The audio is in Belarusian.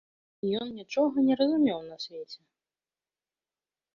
Ён нічога не разумеў на свеце.